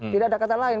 tidak ada kata lain